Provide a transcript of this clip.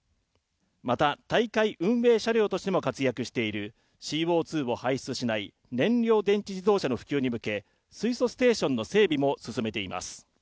また、大会運営車両としても活躍しているＣＯ２を排出しない燃料電池自動車の普及に向け水素ステーションの整備も進めています。